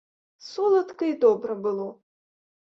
Соладка й добра было.